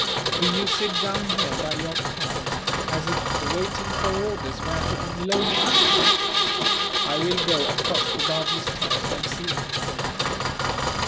Do you sit down here by your cart, as if waiting for orders where to unload it. I will go across to Bajee's tent, and see him."